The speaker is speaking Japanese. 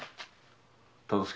忠相。